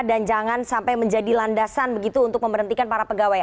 dan jangan sampai menjadi landasan begitu untuk memberhentikan para pegawai